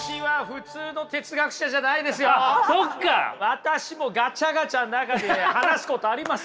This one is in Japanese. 私もガチャガチャの中で話すことありますよ。